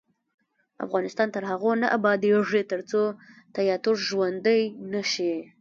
افغانستان تر هغو نه ابادیږي، ترڅو تیاتر ژوندی نشي.